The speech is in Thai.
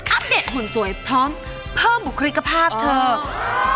เดตหุ่นสวยพร้อมเพิ่มบุคลิกภาพเถอะ